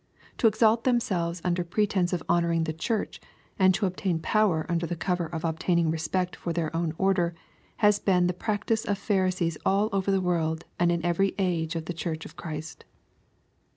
To exalt themselves under pretence of honoring the Church, a%d to obtain power under cover of obtaining respect for their own order, has been the practice of Pharisees all over the world and in every age of the Chur'*h of Christ.